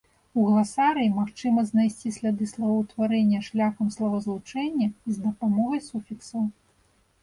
У гласарыі магчыма знайсці сляды словаўтварэння шляхам словазлучэння і з дапамогай суфіксаў.